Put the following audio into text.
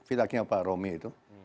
pihaknya pak romy itu